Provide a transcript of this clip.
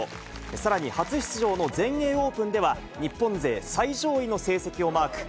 さらに初出場の全英オープンでは、日本勢最上位の成績をマーク。